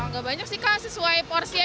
gak banyak sih kak sesuai porsi aja